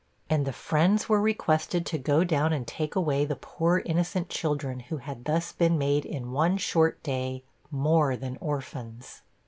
And the friends were requested to go down and take away the poor innocent children who had thus been made in one short day more than orphans.